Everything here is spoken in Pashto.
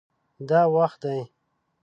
دا وخت دی